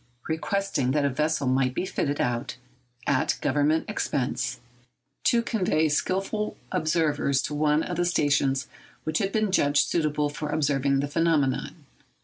requesting that a vessel might be fitted out, at Government expense, to convey skilful observers to one of the stations which had been judged suitable for observing the phenomenon.